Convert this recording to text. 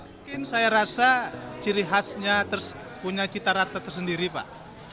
mungkin saya rasa ciri khasnya punya cita rata tersendiri pak